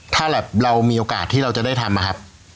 ถ้าแบบเรามีโอกาสที่เราจะได้ทำนะครับ